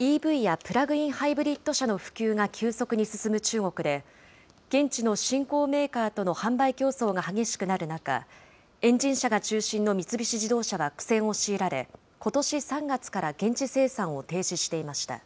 ＥＶやプラグインハイブリッド車の普及が急速に進む中国で、現地の新興メーカーとの販売競争が激しくなる中、エンジン車が中心の三菱自動車は苦戦を強いられ、ことし３月から現地生産を停止していました。